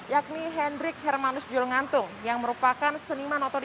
yakni hendrik hermanus julngantung yang merupakan seniman otoritas